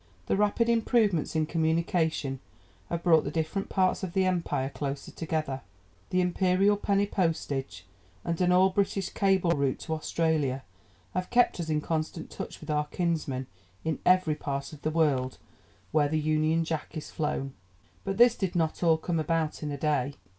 The rapid improvements in communication have brought the different parts of the Empire closer together; the Imperial Penny Postage and an all British cable route to Australia have kept us in constant touch with our kinsmen in every part of the world where the Union Jack is flown. But this did not all come about in a day.